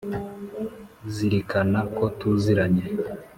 zirikana ko tuziranye